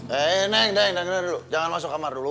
hei nenk deng deng dulu jangan masuk kamar dulu